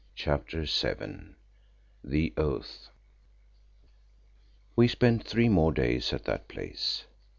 CHAPTER VII. THE OATH We spent three more days at that place.